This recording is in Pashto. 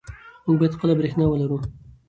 موږ باید خپله برښنا ولرو.